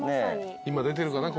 今出てるかな？